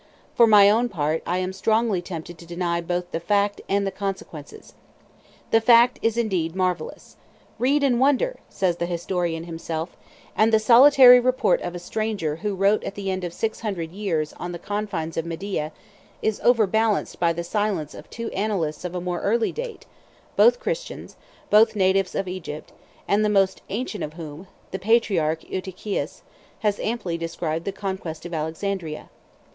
For my own part, I am strongly tempted to deny both the fact and the consequences. 1161 The fact is indeed marvellous. "Read and wonder!" says the historian himself: and the solitary report of a stranger who wrote at the end of six hundred years on the confines of Media, is overbalanced by the silence of two annalist of a more early date, both Christians, both natives of Egypt, and the most ancient of whom, the patriarch Eutychius, has amply described the conquest of Alexandria.